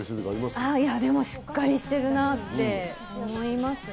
いや、でもしっかりしてるなって思いますね。